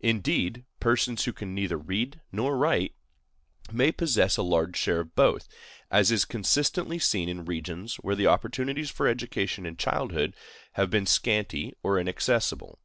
Indeed, persons who can neither read nor write may possess a large share of both, as is constantly seen in regions where the opportunities for education in childhood have been scanty or inaccessible.